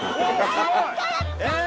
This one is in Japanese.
すごい！え！